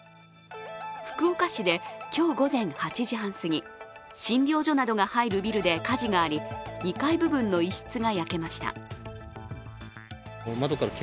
福岡市で今日午前８時半すぎ診療所などが入るビルで火事があり２階部分の一室が焼けました。